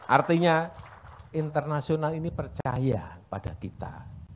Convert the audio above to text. artinya internasional ini percaya pada kita